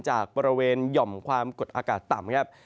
จากบริเวณหย่อมความกดอากาศต่ำครับ